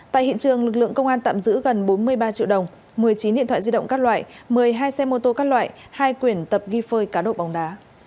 tại hiện trường lực lượng công an tạm giữ gần bốn mươi ba triệu đồng một mươi chín điện thoại di động các loại một mươi hai xe mô tô các loại hai quyển tập ghi phơi cá độ bóng đá